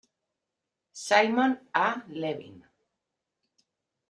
Simon A Levin.